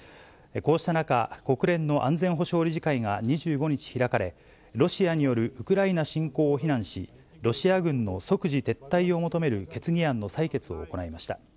こうした中、国連の安全保障理事会が２５日開かれ、ロシアによるウクライナ侵攻を非難し、ロシア軍の即時撤退を求める決議案の採決を行いました。